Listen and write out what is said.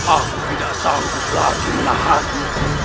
aku tidak sanggup lagi menahanku